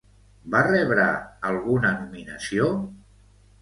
Va rebre alguna nominació?